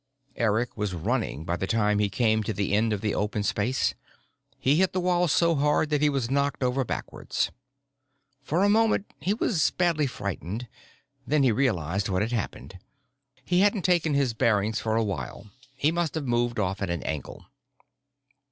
Eric was running by the time he came to the end of the open space. He hit the wall so hard that he was knocked over backwards. For a moment, he was badly frightened, then he realized what had happened. He hadn't taken his bearings for a while: he must have moved off at an angle.